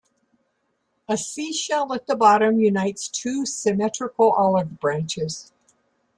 A seashell at the bottom unites two symmetrical olive branches.